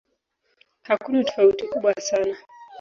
Hakuna tofauti kubwa sana.